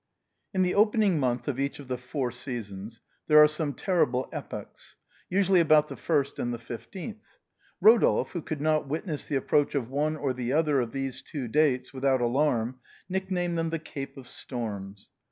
In the opening month of each of the four seasons there are some terrible epochs, usually about the 1st and the 15th. Rodolphe, who could not witness the approach of one or the other of these two dates without alarm, nick named them the Cape of Storms.